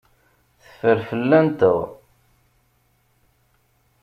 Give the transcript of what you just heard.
Teffer fell-anteɣ.